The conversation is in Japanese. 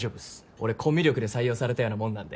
俺コミュ力で採用されたようなもんなんで。